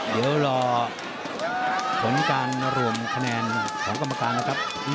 เดี๋ยวรอผลการรวมคะแนนของกรรมการนะครับ